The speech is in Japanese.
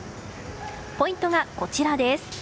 ポイントが、こちらです。